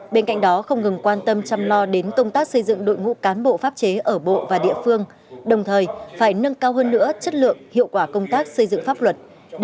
bên cạnh đó không ngừng quan tâm chăm lo đến công tác xây dựng đội ngũ cán bộ pháp chế ở bộ và địa phương đồng thời phải nâng cao hơn nữa chất lượng hiệu quả công tác xây dựng pháp luật